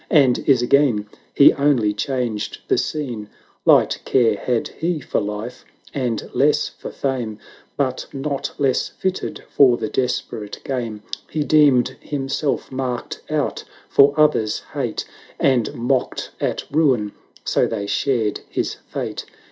And is again; he only changed the scene. Light care had he for life, and less for fame, But not less fitted for the desperate game: He deemed himself marked out for others' hate. And mocked at Ruin so they shared his fate.